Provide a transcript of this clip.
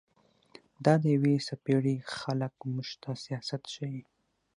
دا د يوې څپېړي خلق موږ ته سياست ښيي